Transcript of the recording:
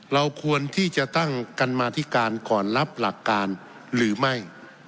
เราควรที่จะตั้งกรรมาธิการก่อนรับหลักการหรือไม่